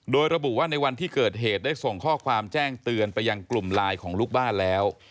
โดยระบุว่าในวันที่เกิดเหตุได้ส่งข้อความแจ้งเตือนไปยังกลุ่มไลน์ของลูกบ้านแล้ว